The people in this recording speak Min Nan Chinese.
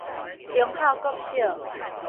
忠孝國小